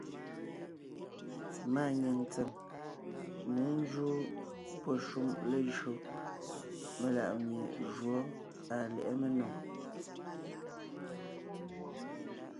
Máa nyìŋ tsèm ne njúu pɔ́ shúm léjÿo melaʼmie jǔɔ àa lyɛ̌ʼɛ ménò.